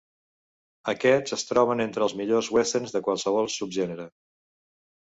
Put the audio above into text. Aquests es troben entre els millors Westerns de qualsevol subgènere.